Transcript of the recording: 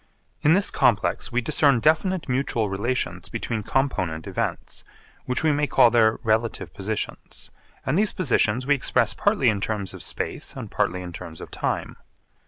In this complex we discern definite mutual relations between component events, which we may call their relative positions, and these positions we express partly in terms of space and partly in terms of time.